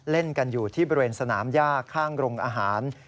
เล่นกันอยู่ที่บริเวณสนามย่าข้างโรงอาหาร